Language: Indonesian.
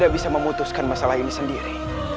aku harus memutuskan masalah ini sendiri